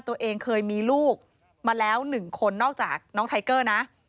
ตัวเองเคยมีลูกมาแล้ว๑คนนอกจากน้องไทเกอร์นะ